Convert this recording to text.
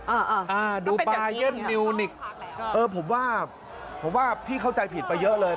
อ่าอ่าดูบายันมิวนิกเออผมว่าผมว่าพี่เข้าใจผิดไปเยอะเลย